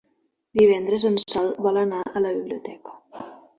Divendres en Sol vol anar a la biblioteca.